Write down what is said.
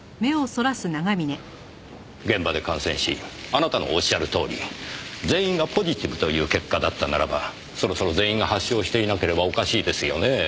現場で感染しあなたのおっしゃるとおり全員がポジティブという結果だったならばそろそろ全員が発症していなければおかしいですよねぇ。